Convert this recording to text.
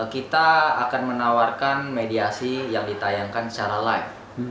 kita akan menawarkan mediasi yang ditayangkan secara live